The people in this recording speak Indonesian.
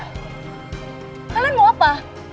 kalian mau apa